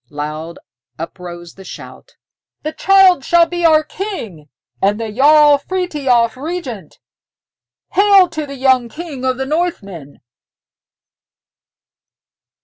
Loud uprose the shout, "The child shall be our king, and the Jarl Frithiof regent. Hail to the young King of the Northmen!"